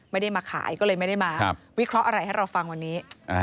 ไม่ได้มาขายก็เลยไม่ได้มาวิเคราะห์อะไรให้เราฟังวันนี้